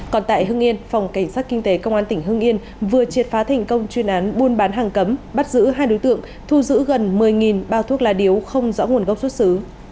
còn tại hưng yên phòng cảnh sát kinh tế công an tỉnh hưng yên vừa triệt phá thành công chuyên án buôn bán hàng cấm bắt giữ hai đối tượng thu giữ gần một mươi bao thuốc lá điếu không rõ nguồn gốc xuất xứ